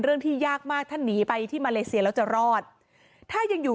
เรื่องที่ยากมากถ้าหนีไปที่มาเลเซียแล้วจะรอดถ้ายังอยู่